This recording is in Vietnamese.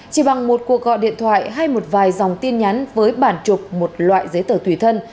chỉ bằng một cuộc gọi điện thoại hay một vài dòng tin nhắn với bản trục một loại giấy tờ tùy thân